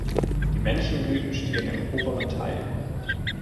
Die männlichen Blüten stehen im oberen Teil.